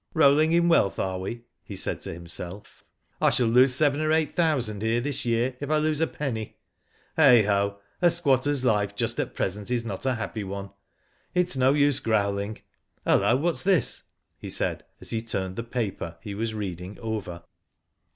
^^ Rolling in wealth are we,'* he said to himself. I shall lose seven or eight thousand here this year if I lose a penny. Heigho, a squatter's life just at present is not a happy one. It's no .us^ Digitized byGoogk THE BIG DROUGHT, 187 growling. Hullo ! what's this ?" he said, as he turned the paper he was reading over.